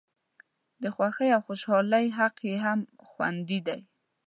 د خوښۍ او خوشالۍ حق یې هم خوندي دی.